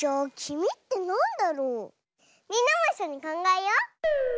みんなもいっしょにかんがえよう！